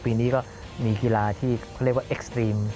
ปีนี้ก็มีกีฬาที่เขาเรียกว่าเอ็กซ์ตรีม